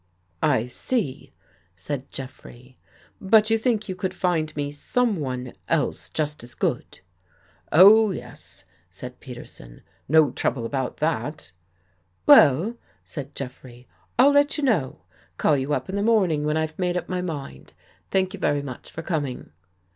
I see," said Jeffrey. " But you think you could find me someone else just as good?" " Oh, yes," said Peterson. " No trouble about that." " Well," said Jeffrey, " I'll let you know. Call you up in the morning when I've made up my mind. Thank you very much for coming."